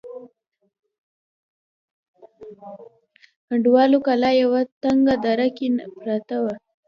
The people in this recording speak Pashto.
کنډواله کلا په یوه تنگه دره کې پرته وه.